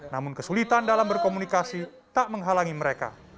namun kesulitan dalam berkomunikasi tak menghalangi mereka